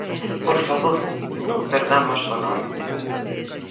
¡Por favor, non perdamos o norte!